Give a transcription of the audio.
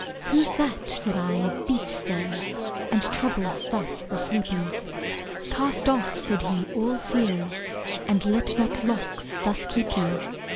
Who's that, said I, beats there, And troubles thus the sleepy? Cast off, said he, all fear, And let not locks thus keep ye.